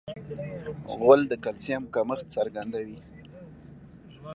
غول د کلسیم کمښت څرګندوي.